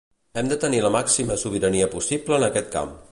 Hem de tenir la màxima sobirania possible en aquest camp.